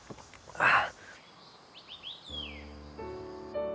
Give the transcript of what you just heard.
ああ。